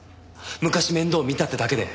昔面倒見たってだけで。